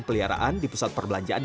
peliharaan di pusat perbelanjaan